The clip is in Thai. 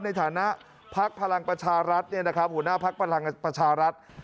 ในฐานะพักพลังประชารัฐเนี่ยนะครับหัวหน้าพักพลังประชารัฐ